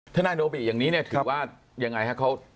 ท่านหน้านโนบิอย่างนี้ถือว่าอย่างไรครับ